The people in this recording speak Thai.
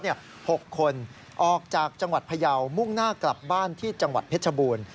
๖คนออกจากจังหวัดพยาวมุ่งหน้ากลับบ้านที่จังหวัดเพชรบูรณ์